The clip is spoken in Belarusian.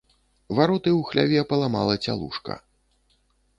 Вароты ў хляве паламала цялушка.